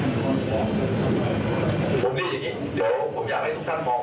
ผมเรียนอย่างนี้เดี๋ยวผมอยากให้ทุกท่านมอง